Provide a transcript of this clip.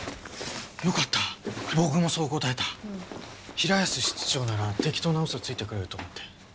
平安室長なら適当な嘘ついてくれると思って。